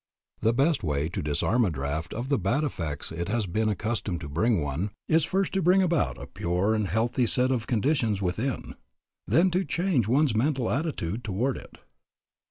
The best way to disarm a draft of the bad effects it has been accustomed to bring one, is first to bring about a pure and healthy set of conditions within, then, to change one's mental attitude toward it.